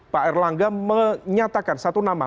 pak erlangga menyatakan satu nama